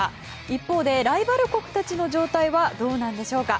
一方でライバル国たちの状態はどうなんでしょうか。